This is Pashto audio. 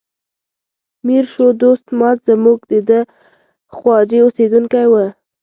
میر شو دوست ماد زموږ د ده خواجې اوسیدونکی و.